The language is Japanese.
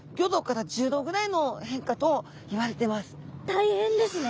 大変ですね。